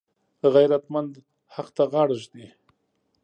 غیرتمند حق ته غاړه ږدي